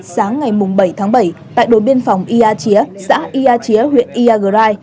sáng ngày bảy tháng bảy tại đồn biên phòng ea chía dãi ea chía huyện ea grai